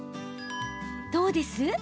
どうです？